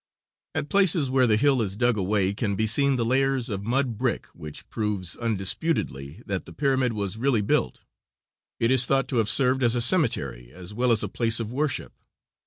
At places where the hill is dug away can be seen the layers of mud brick, which proves undisputedly that the pyramid was really built. It is thought to have served as a cemetery as well as a place of worship.